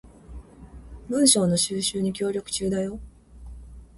文章の収集に協力中だよ